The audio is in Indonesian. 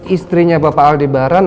istrinya bapak aldebaran